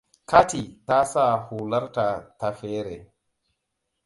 Cathy ta sa hularta ta fere.